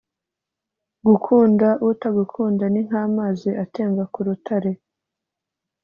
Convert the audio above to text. Gukunda utagukunda ni nk’amazi atemba ku rutare